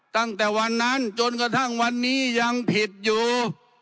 ตั้งแต่วันนั้นจนกระทั่งวันนี้ยังผิดอยู่